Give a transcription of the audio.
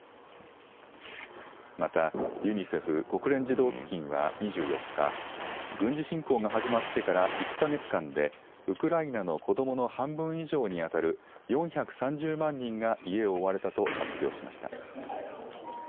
またユニセフ・国連児童基金は２４日、軍事侵攻が始まってから１か月間でウクライナの子どもの半分以上にあたる４３０万人が家を追われたと発表しました。